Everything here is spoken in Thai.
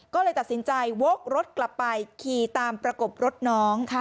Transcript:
ก็เลยตัดสินใจวกรถกลับไปขี่ตามประกบรถน้อง